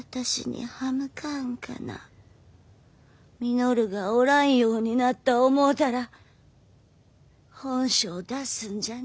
稔がおらんようになった思うたら本性出すんじゃねえ。